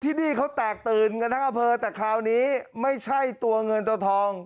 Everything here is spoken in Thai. ที่นี่เขาแตกตื่นกันทั้งอำเภอแต่คราวนี้ไม่ใช่ตัวเงินตัวทอง